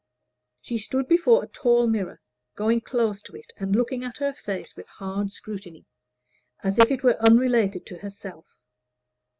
She stood before a tall mirror, going close to it and looking at her face with hard scrutiny, as if it were unrelated to herself.